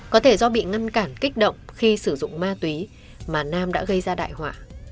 có thể do bị ngăn cản kích động khi sử dụng ma túy mà nam đã gây ra đại họa